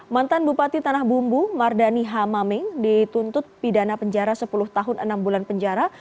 mantan bupati tanah bumbu mardani h maming dituntut pidana penjara sepuluh tahun enam bulan penjara